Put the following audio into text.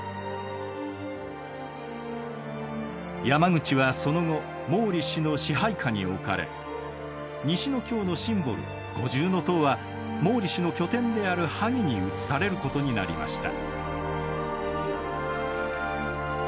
山口はその後毛利氏の支配下に置かれ西の京のシンボル五重塔は毛利氏の拠点である萩に移されることになりました。